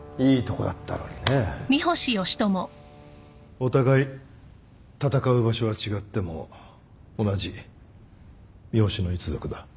お互い戦う場所は違っても同じ三星の一族だ。